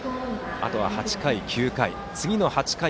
あとは、８回と９回。